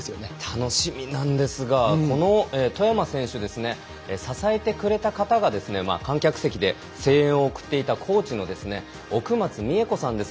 楽しみなんですがこの外山選手ですね支えてくれた方が観客席で声援を送っていたコーチの奥松美恵子さんです。